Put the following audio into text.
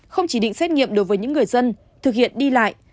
không chỉ định xét nghiệm đối với những người dân thực hiện đi lại